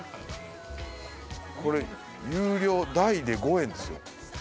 これ有料大で５円ですよ。